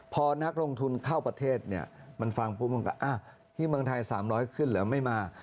พอนักลงทุนเข้าประเทศมันฟังปุ๊บที่เมืองไทย๓๐๐บาทขึ้นหรือไม่มา